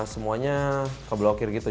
semuanya keblokir gitu